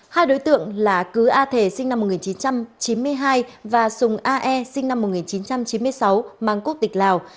hai đối tượng là cứ a thề sinh năm một nghìn chín trăm chín mươi hai và sùng a e sinh năm một nghìn chín trăm chín mươi sáu mang quốc tịch lào